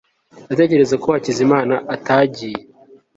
ndatekereza ko hakizimana atagiye